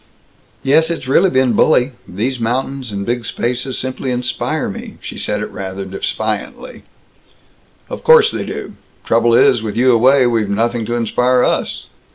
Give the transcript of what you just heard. "Yes, it's really been bully. These mountains and big spaces simply inspire me." She said it rather defiantly. "Of course they do! Trouble is, with you away, we've nothing to inspire us!"